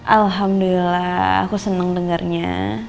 alhamdulillah aku seneng dengarnya